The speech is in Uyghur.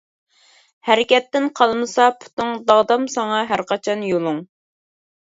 ھەرىكەتتىن قالمىسا پۇتۇڭ، داغدام ساڭا ھەرقاچان يولۇڭ.